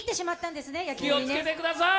気をつけてください。